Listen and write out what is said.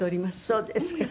そうですか。